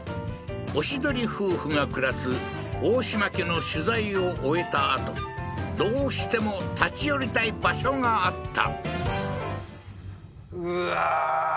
おしどり夫婦が暮らす大島家の取材を終えたあとどうしても立ち寄りたい場所があった